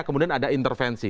kemudian ada intervensi